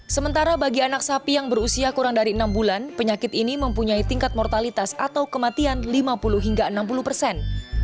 sementara bagi anak sapi yang berusia kurang dari enam bulan penyakit ini mempunyai tingkat mortalitas atau kematian lima puluh hingga enam puluh persen